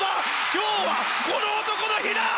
今日はこの男の日だ！